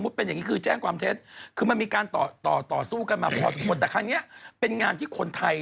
แต่ครั้งนี้เป็นงานที่คนไทย